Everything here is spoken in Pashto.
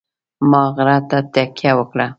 ما غره ته تکیه وکړه.